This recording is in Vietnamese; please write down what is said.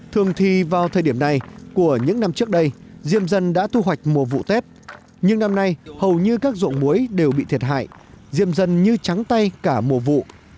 thường thì vào thời điểm này của những năm trước đây diêm dân đã thu hoạch mùa vụ tết nhưng năm nay hầu như các dụng muối đều bị thiệt hại diêm dân như trắng tay cả mùa vụ